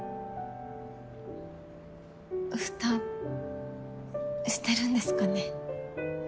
蓋してるんですかね。